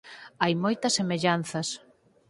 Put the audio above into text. Hai moitas semellanzas.